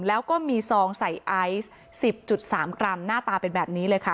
แล้วก็มีซองใส่ไอซ์๑๐๓กรัมหน้าตาเป็นแบบนี้เลยค่ะ